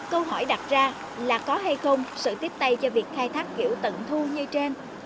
câu hỏi đặt ra là có hay không sự tiếp tay cho việc khai thác kiểu tận thu như trên